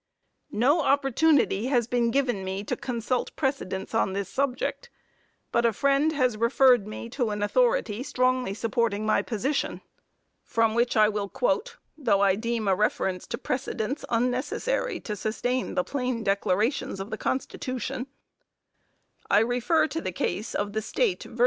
No opportunity has been given me to consult precedents on this subject, but a friend has referred me to an authority strongly supporting my position, from which I will quote, though I deem a reference to precedents unnecessary to sustain the plain declarations of the Constitution: I refer to the case of the _State vs.